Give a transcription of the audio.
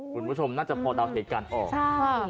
คุณผู้ชมน่าจะพอเดาเหตุการณ์ออกใช่